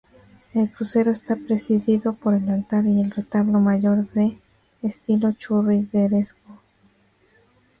El crucero está presidido por el altar y el retablo mayor, de estilo churrigueresco.